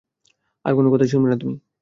আর কোনো কথাই শুনবে না তুমি?